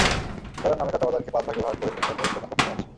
ইজারার নামে কাঁচাবাজারকে পাঁচ ভাগে ভাগ করে ফুটপাতে দোকান বসানো হয়েছে।